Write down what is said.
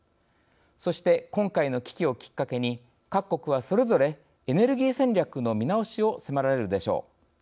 そして今回の危機をきっかけに各国はそれぞれエネルギー戦略の見直しを迫られるでしょう。